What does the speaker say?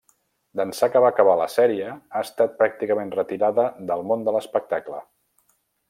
D'ençà que va acabar la sèrie, ha estat pràcticament retirada del món de l'espectacle.